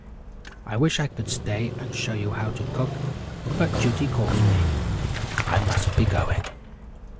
I wish I could stay and show you how to cook, but duty calls me I must be going!"